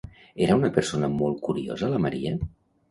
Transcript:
Era una persona molt curiosa la Maria?